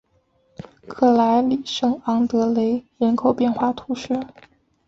克莱里圣昂德雷人口变化图示